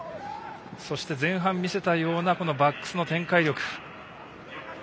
そして前半見せたようなバックスの展開力。